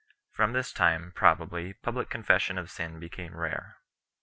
From this time, probably, public confession of sin became rare.